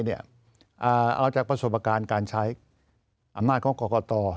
เอาจากประสบการณ์การใช้อำนาจของกรกต